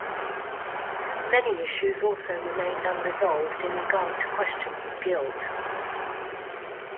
Many issues also remained unresolved in regard to questions of guilt.